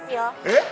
えっ？